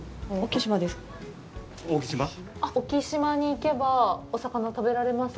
沖島に行けば、お魚食べられますか。